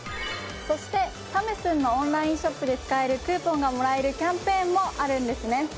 そしてサムスンのオンラインショップで使えるクーポンがもらえるキャンペーンもあるんですね。